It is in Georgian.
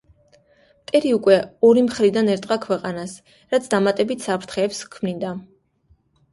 მტერი უკვე ორი მხრიდან ერტყა ქვეყანას, რაც დამატებით საფრთხეებს ქმნიდა.